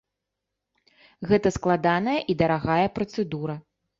Гэта складаная і дарагая працэдура.